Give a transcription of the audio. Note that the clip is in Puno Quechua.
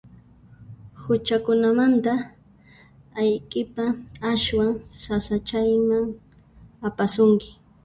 Huchakunamanta ayqiyqa aswan sasachayman apasunki.